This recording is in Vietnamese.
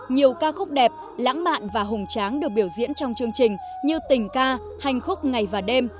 nhiều ca khúc đẹp lãng mạn và hùng tráng được biểu diễn trong chương trình như tình ca hành khúc ngày và đêm